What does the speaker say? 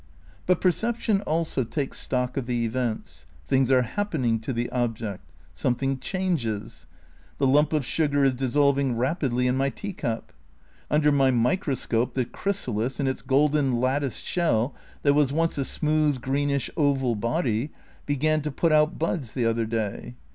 But perception also takes stock of the events. Things are happening to the object. Something changes. The lump of sugar is dissolving rapidly in my tea cup. Under my microscope the chrysalis, in its golden lat ticed shell, that was once a smooth, greenish, oval body, began to put out buds the other day.